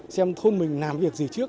xem thôn mình làm việc gì trước